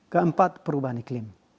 keempat perubahan iklim